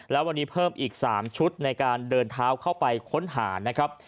แล้ววันนี้เพิ่มอีก๓ชุดในการเดินเท้าเข้าไปค้นหานะครับ